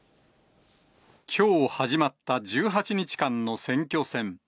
きょう始まった１８日間の選挙戦。